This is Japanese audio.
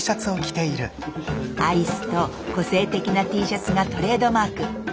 アイスと個性的なＴシャツがトレードマーク。